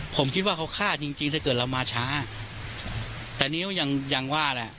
ผมคิดว่าเขาฆ่าจริงจริงถ้าเกิดเรามาช้าแต่นิ้วยังยังว่าแหละ